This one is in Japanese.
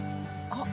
あっ！